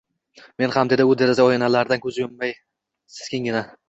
-Men ham, — dedi u deraza oynalaridan ko’z uzmay sekingina.